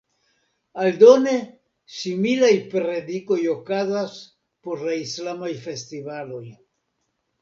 Aldone, similaj predikoj okazas por la islamaj festivaloj.